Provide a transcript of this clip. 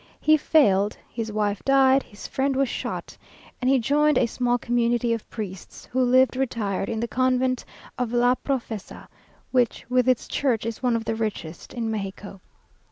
He failed, his wife died, his friend was shot, and he joined a small community of priests who lived retired in the convent of La Profesa, which, with its church is one of the richest in Mexico.